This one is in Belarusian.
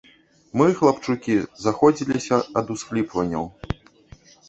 Мы, хлапчукі, заходзіліся ад усхліпванняў.